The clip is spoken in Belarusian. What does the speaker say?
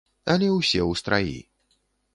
Але ўсе ў страі.